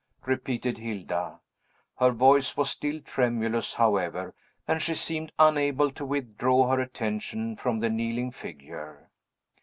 repeated Hilda. Her voice was still tremulous, however, and she seemed unable to withdraw her attention from the kneeling figure.